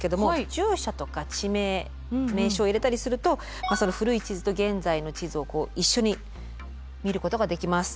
住所とか地名名称を入れたりするとその古い地図と現在の地図を一緒に見ることができます。